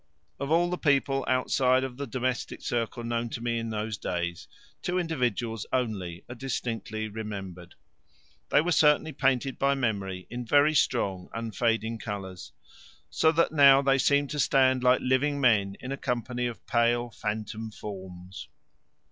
Of all the people outside of the domestic circle known to me in those days, two individuals only are distinctly remembered. They were certainly painted by memory in very strong unfading colours, so that now they seem to stand like living men in a company of pale phantom forms.